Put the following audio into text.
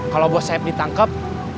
kalau bos saeb ditangkep